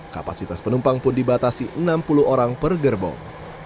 kapasitas penumpang pun dibatasi enam puluh orang per gerbong